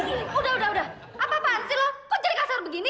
ini udah udah apa apaan sih loh kok jadi kasar begini